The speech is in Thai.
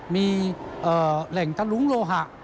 มีแหล่งตะลุ้งโลหะ